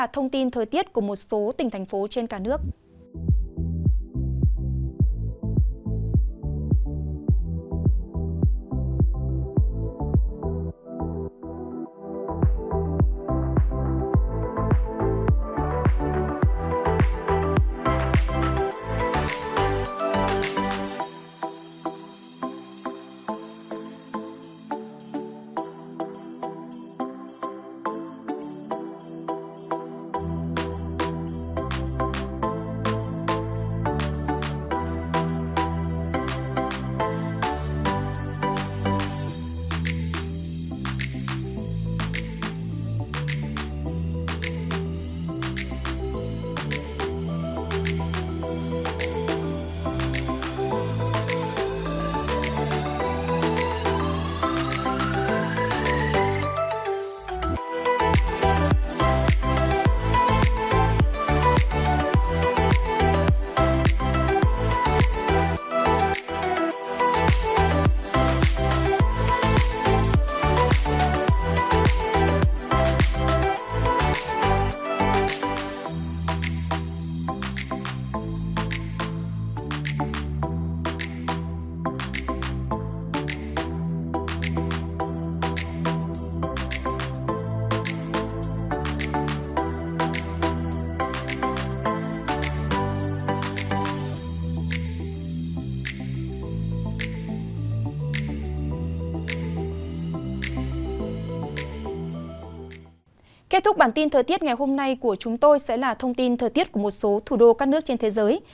thời tiết ngày hôm nay của chúng tôi sẽ là thông tin thời tiết của một số thủ đô các nước trên thế giới